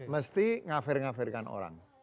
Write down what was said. mesti ngafir ngafirkan orang